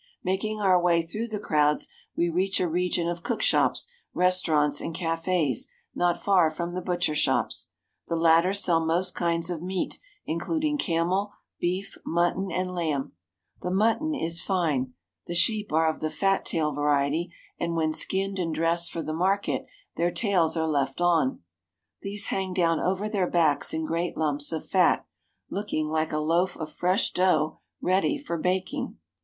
Making our way through the crowds we reach a region of cook shops, restaurants, and cafes not far from the butcher shops. The latter sell most kinds of meat, in cluding camel, beef, mutton, and lamb. The mutton is 219 THE HOLY LAND AND SYRIA fine. The sheep are of the fat tail variety, and when skinned and dressed for the market their tails are left on. These hang down over their backs in great lumps of fat, looking like a loaf of fresh dough ready for baking.